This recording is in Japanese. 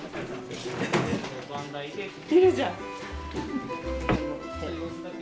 いるじゃん！